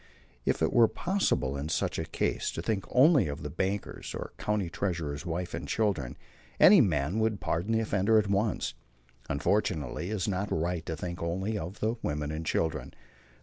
If it were possible in such a case to think only of the banker's or county treasurer's wife and children, any man would pardon the offender at once. Unfortunately, it is not right to think only of the women and children.